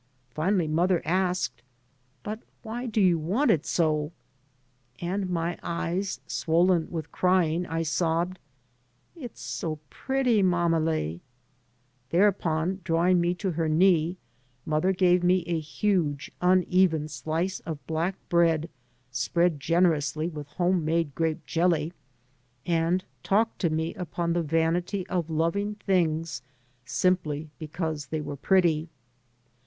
Finally mother asked, " But why do you want it so ?" And, my eyes swollen with crying, I sobbed, " It's so pretty, mammele." [Thereupon, drawing me to her knee, mother gave me a huge, uneven slice of black bread spread gen erously with home made grape jelly and talked to me upon the vanity of loving things simply because they were pretty.